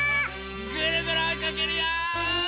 ぐるぐるおいかけるよ！